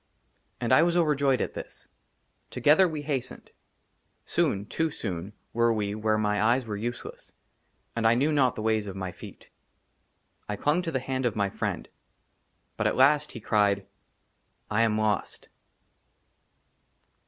AND I WAS OVERJOYED AT THIS. TOGETHER WE HASTENED. SOON, TOO SOON, WERE WE WHERE MY EYES WERE USELESS, AND I KNEW NOT THE WAYS OF MY FEET. I CLUNG TO THE HAND OF MY FRIEND ; BUT AT LAST HE CRIED, " I AM LOST."